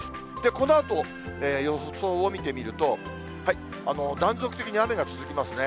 このあと、予想を見てみると、断続的に雨が続きますね。